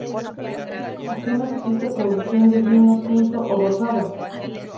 Apenas existe producción de vino tinto o rosado.